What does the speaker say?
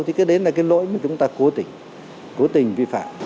thì cái đấy là cái lỗi mà chúng ta cố tỉnh cố tình vi phạm